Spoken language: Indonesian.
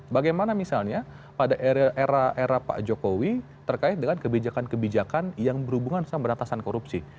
bagaimana misalnya pada era era pak jokowi terkait dengan kebijakan kebijakan yang berhubungan sama berantasan korupsi